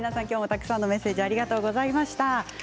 きょうもたくさんのメッセージありがとうございました。